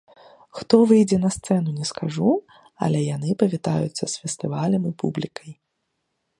Хто выйдзе на сцэну, не скажу, але яны павітаюцца з фестывалем і публікай.